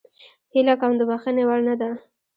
هیله کوم د بخښنې وړ نه ده.